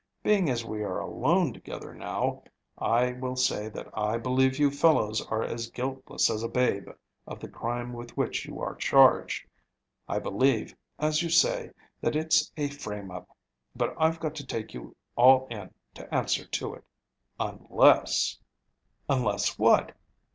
Being as we are alone together now, I will say that I believe you fellows are as guiltless as a babe of the crime with which you are charged. I believe, as you say, that it's a frame up, but I've got to take you all in to answer to it, unless " "Unless what?"